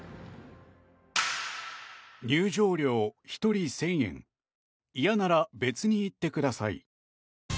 入場料１人１０００円嫌なら別に行ってください。